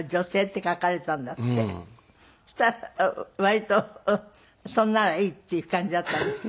そしたら割とそれならいいっていう感じだったんですって？